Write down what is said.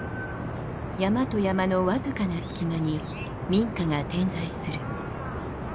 山と山のわずかな隙間に民家が点在する。